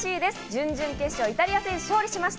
準々決勝・イタリア戦、勝利しました。